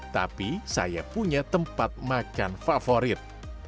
tapi saya punya tempat makan favorit